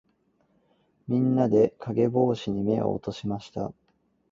みんなで、かげぼうしに目を落としました。